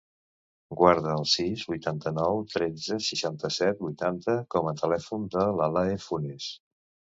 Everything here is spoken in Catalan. Guarda el sis, vuitanta-nou, tretze, seixanta-set, vuitanta com a telèfon de l'Alae Funes.